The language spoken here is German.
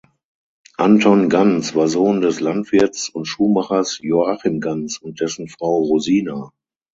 Anton Ganz war Sohn des Landwirts und Schuhmachers Joachim Ganz und dessen Frau Rosina.